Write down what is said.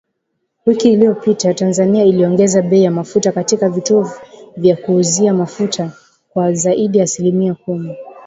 Wiki iliyopita, Tanzania iliongeza bei ya mafuta katika vituo vya kuuzia mafuta kwa zaidi ya asilimia kumi